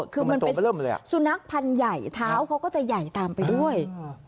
คือมันเป็นสุนัขพันธุ์ใหญ่เท้าเขาก็จะใหญ่ตามไปด้วย